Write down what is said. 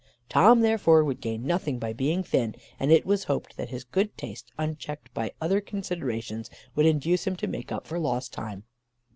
Tom, therefore, would gain nothing by being thin, and it was hoped that his good taste, unchecked by other considerations, would induce him to make up for lost time.